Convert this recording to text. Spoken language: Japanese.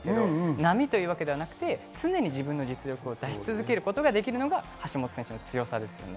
波ではなく常に自分の実力を出し続けることができるのが橋本選手の強さですね。